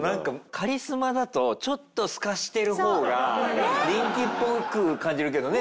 カリスマだとちょっとすかしてる方が人気っぽく感じるけどね